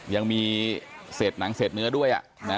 ยังมีเศษหนังเศษเนื้อด้วย